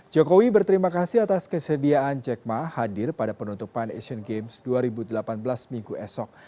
jokowi berterima kasih atas kesediaan jack ma hadir pada penutupan asian games dua ribu delapan belas minggu esok